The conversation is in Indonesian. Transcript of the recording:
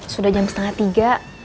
sudah jam setengah tiga